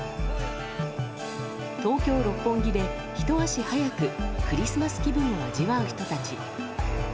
東京・六本木で、ひと足早くクリスマス気分を味わう人たち。